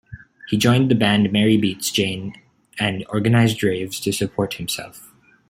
He joined the band Mary Beats Jane and organized raves to support himself.